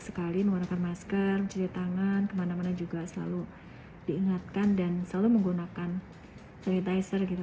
sekali menggunakan masker mencuci tangan kemana mana juga selalu diingatkan dan selalu menggunakan sanitizer gitu